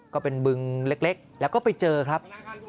ก็เป็นมึงเล็กแล้วก็ไปเจอครับ